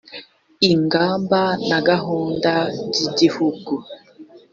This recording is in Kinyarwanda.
ingamba na gahunda by’igihugu